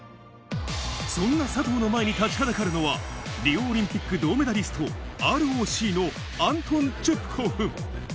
そんな佐藤の前に立ちはだかるのは、リオオリンピック銅メダリスト、ＲＯＣのアントン・チュプコフ。